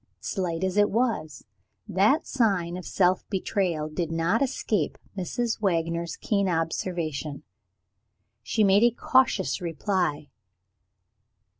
Slight as it was, that sign of self betrayal did not escape Mrs. Wagner's keen observation. She made a cautious reply.